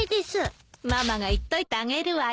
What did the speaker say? ママが言っといてあげるわよ。